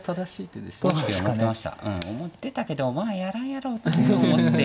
思ってたけどまあやらんやろうと思って。